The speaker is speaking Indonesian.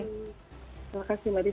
terima kasih mbak disa